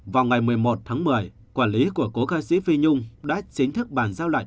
vào ngày một mươi một tháng một mươi quản lý của cố ca sĩ phi nhung đã chính thức bàn giao lại